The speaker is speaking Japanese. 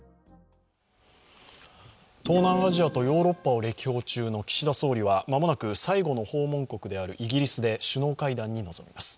東南アジアとヨーロッパを歴訪中の岸田総理は間もなく最後の訪問国であるイギリスで首脳会談に臨みます。